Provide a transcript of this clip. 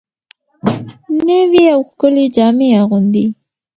نوې او ښکلې جامې اغوندي